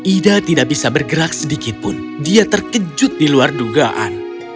ida tidak bisa bergerak sedikitpun dia terkejut di luar dugaan